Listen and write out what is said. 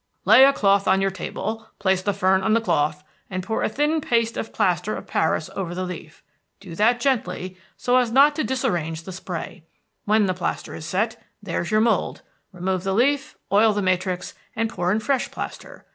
"Lay a cloth on your table, place the fern on the cloth, and pour a thin paste of plaster of Paris over the leaf, do that gently, so as not to disarrange the spray. When the plaster is set, there's your mold; remove the leaf, oil the matrix, and pour in fresh plaster.